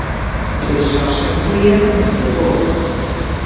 Pois só se amplía na Noiteboa.